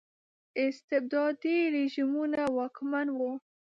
استبدادي رژیمونه واکمن وو.